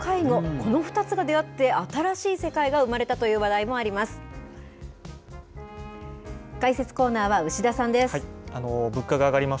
この２つが出会って、新しい世界が生まれたという話題もあります。